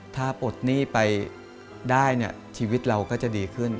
ถ้าปลดหนี้ไปได้เนี่ยชีวิตเราก็จะดีขึ้น